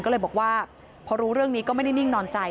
ก็เลยบอกว่าพอรู้เรื่องนี้ก็ไม่ได้นิ่งนอนใจ